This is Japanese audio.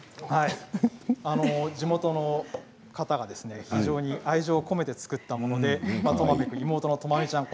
地元の方が非常に愛情を込めて作ったものでとまめくんと妹のとまみちゃん